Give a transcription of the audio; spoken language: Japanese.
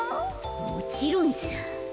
もちろんさ。